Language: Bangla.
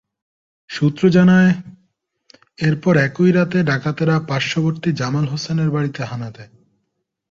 সূত্র জানায়, এরপর একই রাতে ডাকাতেরা পার্শ্ববর্তী জামাল হোসেনের বাড়িতে হানা দেয়।